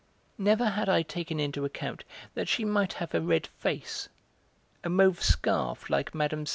Never had I taken into account that she might have a red face, a mauve scarf like Mme.